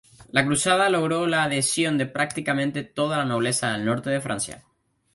La cruzada logró la adhesión de prácticamente toda la nobleza del norte de Francia.